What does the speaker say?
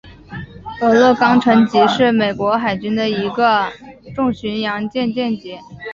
俄勒冈城级是美国海军的一个重巡洋舰舰级。